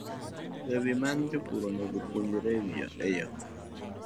E wi mano, jopur onego opuonjre yo